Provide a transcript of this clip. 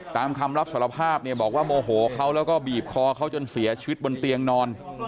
คำรับสารภาพเนี่ยบอกว่าโมโหเขาแล้วก็บีบคอเขาจนเสียชีวิตบนเตียงนอน